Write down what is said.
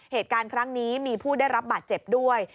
เหตุการณ์ครั้งนี้มีผู้ได้รับบาดเจ็บด้วย